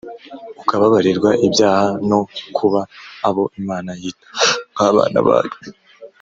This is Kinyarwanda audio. ukubabarirwa ibyaha no kuba abo Imana yitaho nk'abana bayo.